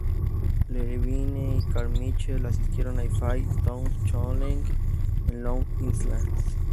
Levine y Carmichael asistieron a Five Towns College en Long Island.